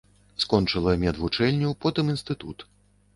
Скончыла медвучэльню, потым інстытут.